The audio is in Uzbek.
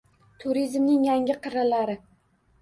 Turizmning yangi qirralari